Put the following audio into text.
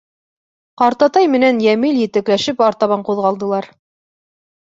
Ҡартатай менән Йәмил етәкләшеп артабан ҡуҙғалдылар.